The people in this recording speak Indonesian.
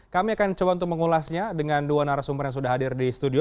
kami akan coba untuk mengulasnya dengan dua narasumber yang sudah hadir di studio